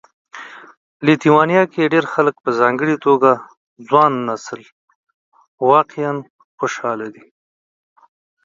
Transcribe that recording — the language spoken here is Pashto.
لیتوانیا کې ډېر خلک په ځانګړي توګه ځوان نسل واقعا خوشاله دي